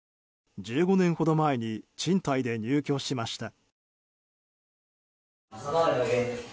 １５年ほど前に賃貸で入居しました。